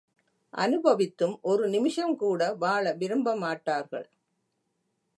அநுபவித்தும், ஒரு நிமிஷங்கூட வாழ விரும்ப மாட்டார்கள்.